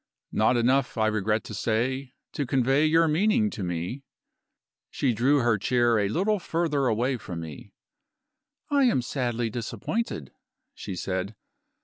"Not enough, I regret to say, to convey your meaning to me." She drew her chair a little further away from me. "I am sadly disappointed," she said.